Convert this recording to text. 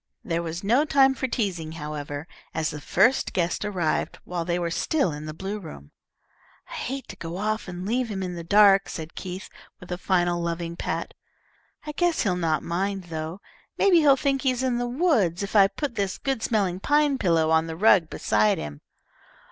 There was no time for teasing, however, as the first guest arrived while they were still in the blue room. "I hate to go off and leave him in the dark," said Keith, with a final loving pat. "I guess he'll not mind, though. Maybe he'll think he is in the woods if I put this good smelling pine pillow on the rug beside him."